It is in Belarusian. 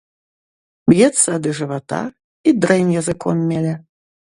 Б'ецца да жывата і дрэнь языком меле.